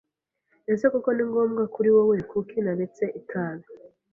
Ese koko ni ngombwa kuri wowe kuki naretse itabi?